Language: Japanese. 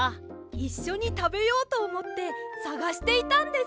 いっしょにたべようとおもってさがしていたんです。